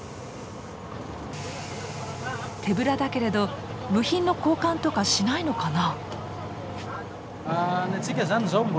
手ぶらだけれど部品の交換とかしないのかな？